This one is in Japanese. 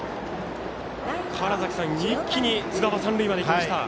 一気に津田は三塁まで行きました。